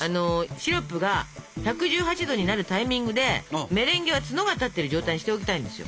シロップが１１８℃になるタイミングでメレンゲは角が立ってる状態にしておきたいんですよ。